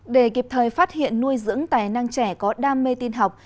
để kịp thời phát hiện nuôi dưỡng tài năng trẻ có đam mê tin học